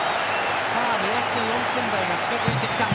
目安の４分台が近づいてきた。